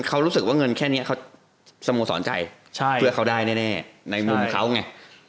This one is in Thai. เขารู้สึกว่าเงินแค่นี้เขาสโมสรใจเพื่อเขาได้แน่ในมุมเขาไง